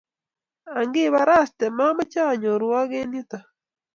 ang'ii kabarastaet mamache anyorwok eng yuto